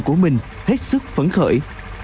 của mình hết sức phấn khởi